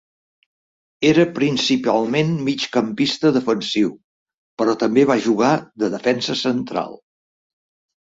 Era principalment migcampista defensiu, però també va jugar de defensa central.